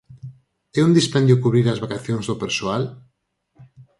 ¿É un dispendio cubrir as vacacións do persoal?